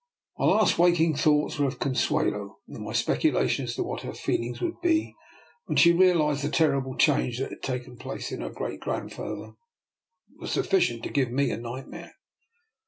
My last waking thoughts were of Consuelo, and my speculations as to what her feelings would be when she realized the terrible change that had taken place in her great grandfather were sufficient to give me a nightmare.